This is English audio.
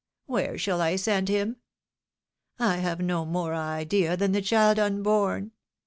Where shall I send him ? I have no more idea than the child unborn